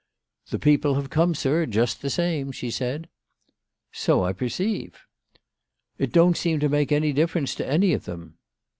" The people have come, sir, just the same," she said. " So I perceive.' '" It don't seem to make any difference to any of them."